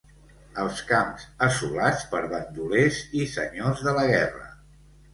Els camps assolats per bandolers i senyors de la guerra.